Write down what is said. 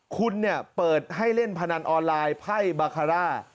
คุณเปิดให้เล่นพนันออนไลน์ไพ่บาคาร่า